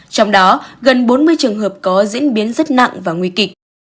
trong đó gần bốn mươi trường hợp có diễn biến rất nặng và nguy kịch